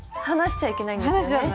離しちゃいけないんですよね。